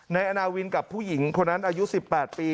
ในอนาวินกับผู้หญิงคนันอายุ๑๘ปี